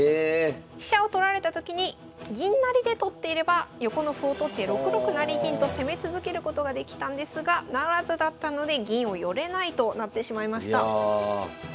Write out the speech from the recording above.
飛車を取られたときに銀成りで取っていれば横の歩を取って６六成銀と攻め続けることができたんですが不成だったので銀を寄れないとなってしまいました。